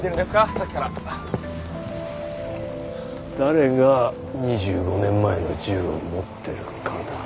さっきから誰が２５年前の銃を持ってるかだ